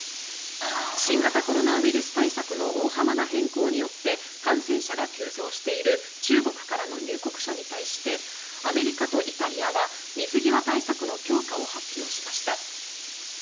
新型コロナウイルス対策の大幅な変更によって感染者が急増している中国からの入国者に対してアメリカとイタリアは水際対策の強化を発表しました。